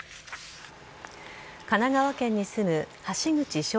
神奈川県に住む橋口詳